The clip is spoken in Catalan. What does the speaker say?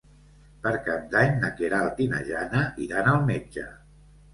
Per Cap d'Any na Queralt i na Jana iran al metge.